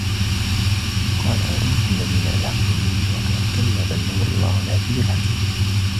قل أروني الذين ألحقتم به شركاء كلا بل هو الله العزيز الحكيم